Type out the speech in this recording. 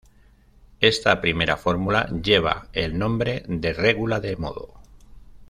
Esta primera fórmula lleva el nombre de "regula de modo".